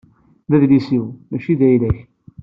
D adlis-iw, mačči d ayla-k.